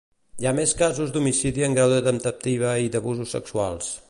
Hi ha més casos d'homicidi en grau de temptativa i d'abusos sexuals.